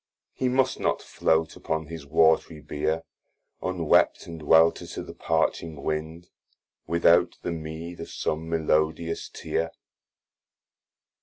He must not flote upon his watry bear Unwept, and welter to the parching wind, Without the meed of som melodious tear.